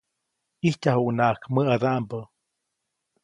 ʼIjtyajuʼuŋnaʼak mäʼadaʼmbä.